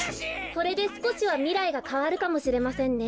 これですこしはみらいがかわるかもしれませんね。